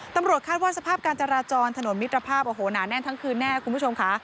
ตำรวจคาดว่าสภาพการจราจรถนนมิตรภาพโอ้โหหนาแน่นทั้งคืนแน่คุณผู้ชมค่ะ